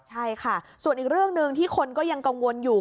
ใช่ค่ะส่วนอีกเรื่องหนึ่งที่คนก็ยังกังวลอยู่